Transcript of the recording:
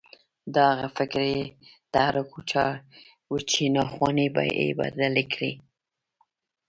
دا هغه فکري تحرک و چې ناخوالې يې بدلې کړې.